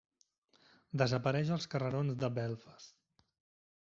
Desapareix als carrerons de Belfast.